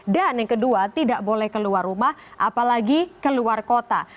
dan yang kedua tidak boleh keluar rumah apalagi keluar kota